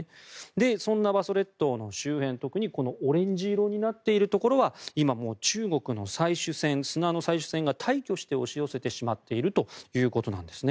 そんな馬祖列島の周辺特にこのオレンジ色になっているところは今、中国の砂の採取船が大挙して押し寄せてしまっているということです。